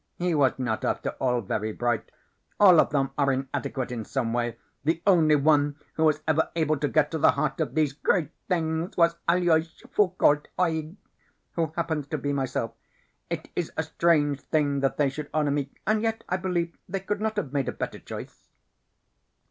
he was not, after all, very bright all of them are inadequate in some way the only one who was ever able to get to the heart of these great things was Aloys Foulcault Oeg, who happens to be myself. It is a strange thing that they should honor me, and yet I believe they could not have made a better choice."